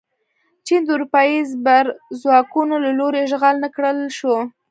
چین د اروپايي زبرځواکونو له لوري اشغال نه کړل شو.